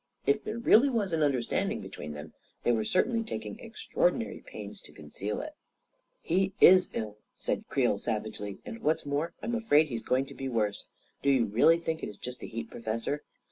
If there really was an understanding between them, they were certainly taking extraordinary pains to conceal it I 186 1 1 I I i i A KING IN BABYLON 187 " He is ill," said Creel, savagely, " and what's more, I'm afraid he's going to be worse. Do you really think it is just the heat, Professor?